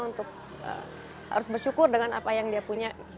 untuk harus bersyukur dengan apa yang dia punya